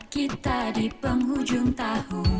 kita di penghujung tahun